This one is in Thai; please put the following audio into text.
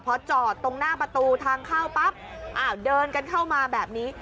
พอจอดตรงหน้าประตูทางเข้าปั๊บอ้าวเดินกันเข้ามาแบบนี้